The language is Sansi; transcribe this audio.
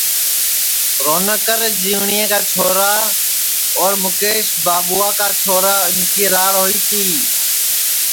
رونک رجیوٹؔیں چھورا اور مُکیش بابوا کا چھورا اِن کی راڑ ہوئی تی